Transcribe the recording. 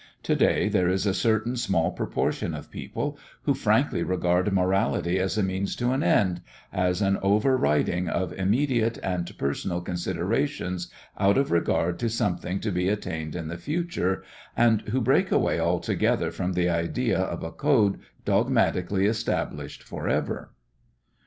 To day there is a certain small proportion of people who frankly regard morality as a means to an end, as an overriding of immediate and personal considerations out of regard to something to be attained in the future, and who break away altogether from the idea of a code dogmatically established forever.